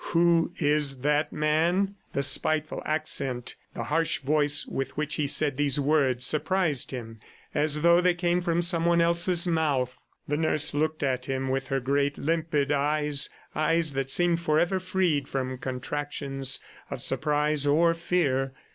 "Who is that man?" The spiteful accent, the harsh voice with which he said these words surprised him as though they came from someone else's mouth. The nurse looked at him with her great limpid eyes, eyes that seemed forever freed from contractions of surprise or fear.